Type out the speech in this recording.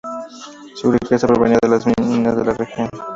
Su riqueza provenía de las minas de la región.